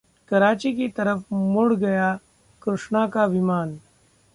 कराची की तरफ मोड़ा गया कृष्णा का विमान